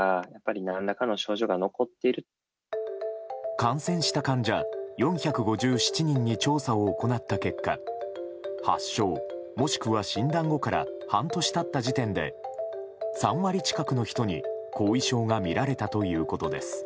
感染した患者４５７人に調査を行った結果発症、もしくは診断後から半年経った時点で３割近くの人に、後遺症が見られたということです。